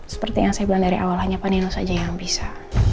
seperti yang saya bilang dari awal hanya vanes saja yang bisa